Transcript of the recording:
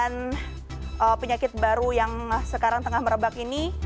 penyebaran penyakit baru yang sekarang tengah merebak ini